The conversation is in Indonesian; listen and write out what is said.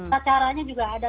tata caranya juga ada